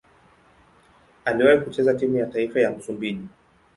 Aliwahi kucheza timu ya taifa ya Msumbiji.